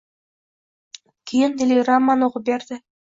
Keyin, telegrammani o‘qib berdi: